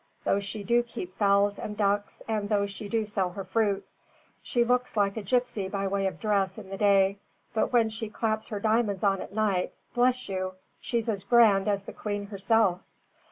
though she do keep fowls and ducks and though she do sell her fruit. She looks like a gipsy by way of dress in the day, but when she claps her diamonds on at night, bless you! she's as grand as the queen herself."